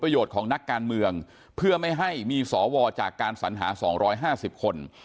มีประโยชน์ของนักการเมืองเพื่อไม่ให้มีสอวอจากการสัญหาสองร้อยห้าสิบคน